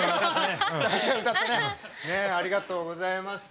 ねえありがとうございました。